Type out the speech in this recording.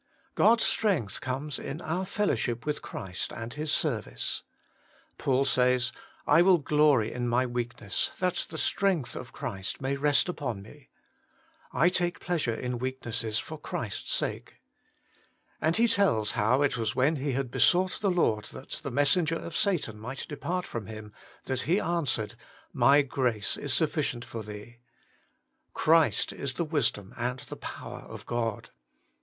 God's strength conies in our fellowship zvith Christ and His service. — Paul says :' 1 will glory in my weakness, that the strength of Christ may rest upon me.' ' I take pleasure in weaknesses for Christ's sake.' And he tells how it was when he had besought the Lord that the messenger of Satan might depart from him, that He an swered :' My grace is sufficient for thee.' * Christ is the wisdom and the power of God.'